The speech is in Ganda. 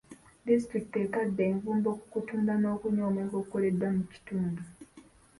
Disitulikiti etadde envumbo ku kutunda n'okunywa omwenge ogukoleddwa mu kitundu.